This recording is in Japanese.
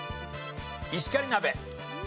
石狩鍋。